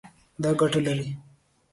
دا ګټه لري